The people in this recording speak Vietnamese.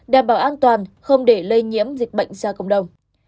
đảm bảo an toàn không để lây nhiễm dịch bệnh ra cộng đồng